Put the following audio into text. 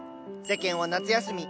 世間は夏休み。